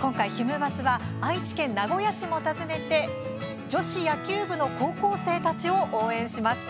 今回「ひむバス！」は愛知県名古屋市も訪ねて女子野球部の高校生たちを応援します。